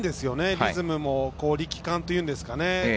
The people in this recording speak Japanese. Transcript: リズムも力感というんですかね